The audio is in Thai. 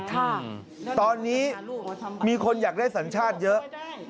ค่ะตอนนี้มีคนอยากได้สัญชาติเยอะ